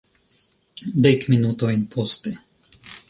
Dek minutojn poste.